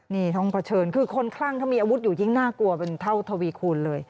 นี่ต้องเผชิญคือคนคลั่งถ้ามีอาวุธอยู่ยิ่งน่ากลัวเป็นเท่าทวีคูณเลย